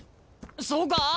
そうか？